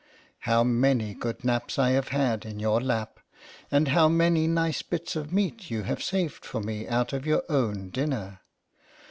How many good naps I have had in your lap ! and how many nice bits of meat you have saved for me out of your own din ner!